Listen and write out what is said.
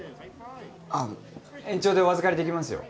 あっ延長でお預かりできますよ